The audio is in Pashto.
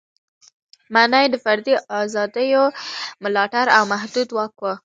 معنا یې د فردي ازادیو ملاتړ او محدود واک و.